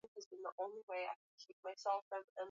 emu nyeti mbili tatu kuwa na waziri mmoja sawa sawa